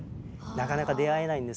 なかなか出会えないけど。